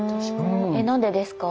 え何でですか？